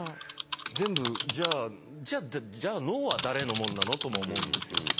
全部じゃあじゃあ脳は誰のもんなの？とも思うんですよ。